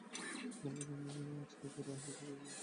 আজই গোরা আসিবে বিনয় কোনোমতেই এমন আশা করে নাই।